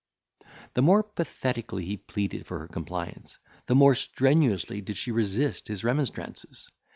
The more pathetically he pleaded for her compliance, the more strenuously did she resist his remonstrances.